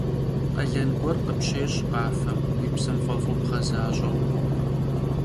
Khalen guer khıpşêş' khafem, vui psem f'ef'u bğezaş'eu.